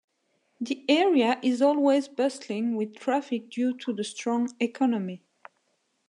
The area is always bustling with traffic due to the strong economy.